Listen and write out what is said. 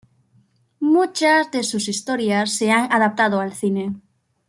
Muchas de sus historias de han adaptado al cine.